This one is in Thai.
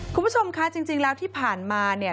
คุณผู้ชมคะจริงแล้วที่ผ่านมาเนี่ย